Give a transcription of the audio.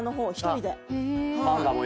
１人で。